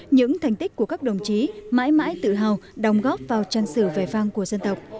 những thành tích của các đồng chí mãi mãi tự hào đồng góp vào trang sử về phang của dân tộc